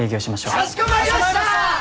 かしこまりました！